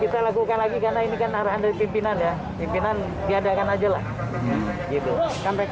rencananya sampai akhir desember